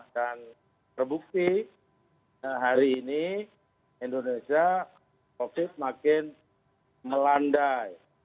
dan terbukti hari ini indonesia covid makin melandai